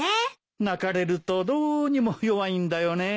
泣かれるとどうにも弱いんだよね。